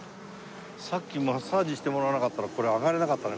さっきマッサージしてもらわなかったらこれ上がれなかったね